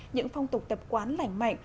những phong tục tập quán lãnh mạnh